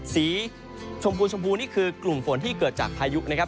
สีชมพูชมพูนี่คือกลุ่มฝนที่เกิดจากพายุนะครับ